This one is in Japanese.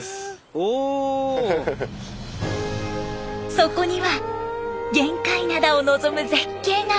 そこには玄界灘を望む絶景が！